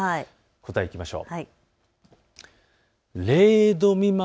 答え、いきましょう。